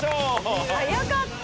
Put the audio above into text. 早かった！